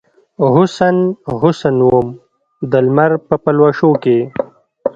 حسن ، حسن وم دلمر په پلوشو کې